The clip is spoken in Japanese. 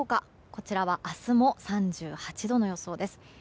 こちらは明日も３８度の予想です。